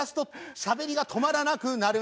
「しゃべりが止まらなくなるんだけど」